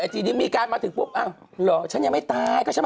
อันนี้มีแรงเยอะแรงเปิดขึ้น